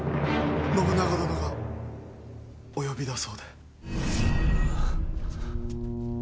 信長殿がお呼びだそうで。